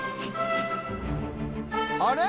あれ？